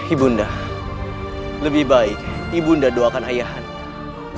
ibu nda lebih baik ibu nda doakan ayah anda